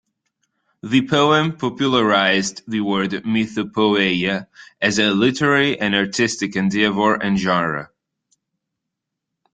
The poem popularized the word "mythopoeia" as a literary and artistic endeavor and genre.